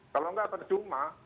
kalau tidak pada jumlah